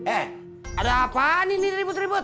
eh ada apaan ini ribut ribut